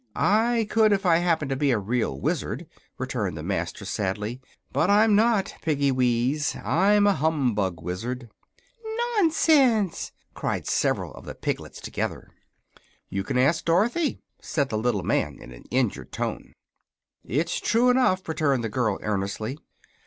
"I could if I happened to be a real wizard," returned the master sadly. "But I'm not, my piggy wees; I'm a humbug wizard." "Nonsense!" cried several of the piglets, together. "You can ask Dorothy," said the little man, in an injured tone. "It's true enough," returned the girl, earnestly.